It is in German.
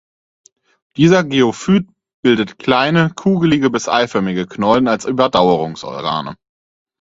Dieser Geophyt bildet kleine, kugelige bis eiförmige Knollen als Überdauerungsorgane.